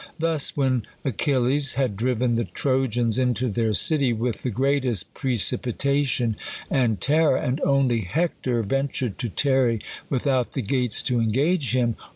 Thus, when Achil les had driven the Trojans into their city with the greatest precipitation and terror, and only Hector ven tured to tarry without the gates to engage him.